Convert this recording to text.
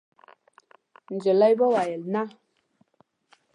نجلۍ وویل: «نه.»